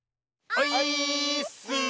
オイーッス！